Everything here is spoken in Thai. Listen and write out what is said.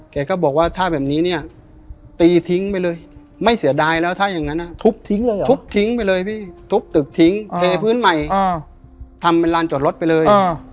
แกก็บอกว่าถ้าแบบนี้เนี่ยตีทิ้งไปเลยไม่เสียดายแล้วถ้าอย่างนั้นทุบทิ้งเลยเหรอทุบทิ้งไปเลยพี่ทุบตึกทิ้งเทพื้นใหม่ทำเป็นลานจอดรถไปเลย